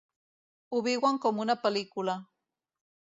Ho viuen com una pel·lícula.